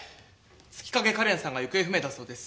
月影カレンさんが行方不明だそうです。